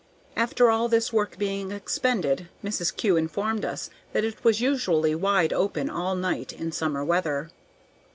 After all this work being expended, Mrs. Kew informed us that it was usually wide open all night in summer weather.